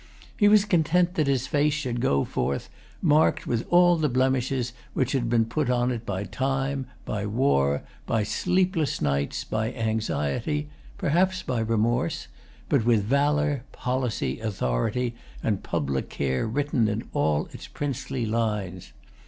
He was content that his face should go forth marked with all the blemishes which had been put on it by time, by war, by sleepless nights, by anxiety, perhaps by remorse; but with valor, policy, authority, ind public care written in all its princely lines.